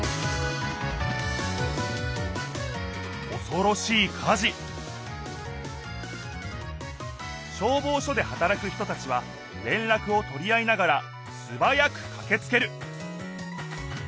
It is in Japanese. おそろしい火事消防署ではたらく人たちは連絡をとり合いながらすばやくかけつける！